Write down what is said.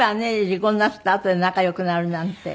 離婚なすったあとで仲良くなるなんて。